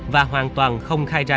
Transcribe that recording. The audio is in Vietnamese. và hoàn toàn không khai ra